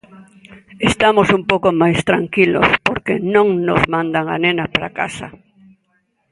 Estamos un pouco máis tranquilos, porque non nos mandan a nena para a casa.